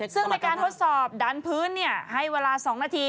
ซึ่งในการทดสอบดันพื้นให้เวลา๒นาที